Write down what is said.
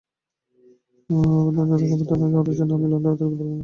অভেদানন্দকে অভ্যর্থনা করার জন্য আমি লণ্ডনে থাকতে পারব না।